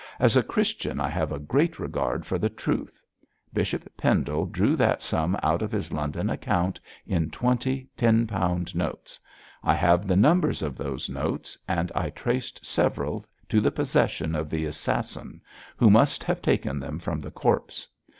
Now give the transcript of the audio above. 'As a Christian I have a great regard for the truth. Bishop Pendle drew that sum out of his London account in twenty ten pound notes. I have the numbers of those notes, and I traced several to the possession of the assassin, who must have taken them from the corpse.